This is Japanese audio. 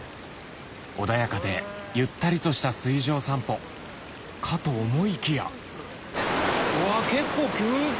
穏やかでゆったりとした水上散歩かと思いきやうわ結構急ですね。